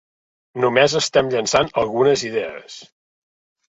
Només estem llançant algunes idees.